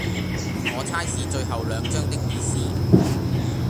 我猜是最後兩張的意思